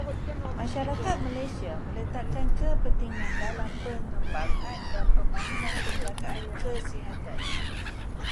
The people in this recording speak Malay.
Masyarakat Malaysia meletakkan kepentingan dalam pengembangan dan pembangunan penjagaan kesihatan.